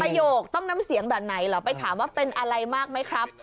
โยกต้องน้ำเสียงแบบไหนเหรอไปถามว่าเป็นอะไรมากไหมครับ